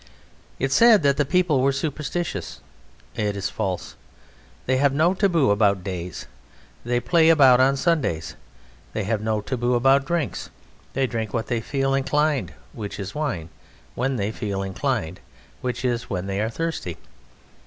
It said that the people were superstitious it is false. They have no taboo about days; they play about on Sundays. They have no taboo about drinks; they drink what they feel inclined (which is wine) when they feel inclined (which is when they are thirsty).